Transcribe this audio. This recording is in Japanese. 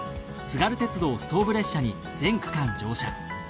津軽鉄道ストーブ列車に全区間乗車。